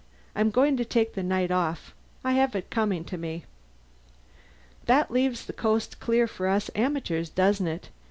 "I'm going to take the night off. I have it coming to me." "That leaves the coast clear for us amateurs, doesn't it?